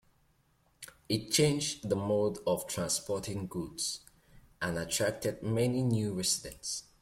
It changed the mode of transporting goods, and attracted many new residents.